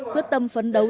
quyết tâm phấn đấu